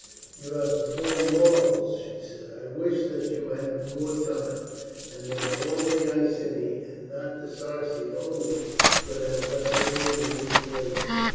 "You have performed marvels," she said. "I wish that you had had more time, and that all the Iceni, and not the Sarci only could have thus learned to meet the enemy.